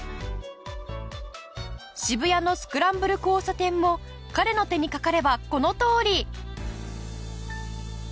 渋谷のスクランブル交差点も彼の手にかかればこのとおり！